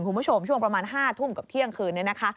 คุณผู้ชมช่วงประมาณ๕ทุ่มกับเที่ยงคืนนี้นะคะ